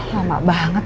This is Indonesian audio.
terus aku beneran ngerti